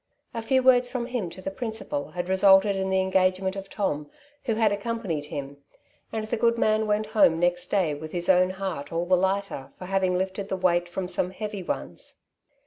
A few words from him to the principal had resulted in the engagement of Tom^ who had accom panied him ; and the good man went home next day with his own heart all the lighter ior haying lifted the weight from some heavy ones.